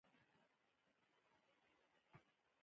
اوړي د افغانستان د فرهنګي فستیوالونو برخه ده.